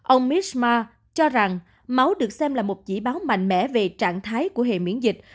ông misma cho rằng máu được xem là một chỉ báo mạnh mẽ về trạng thái của hệ miễn dịch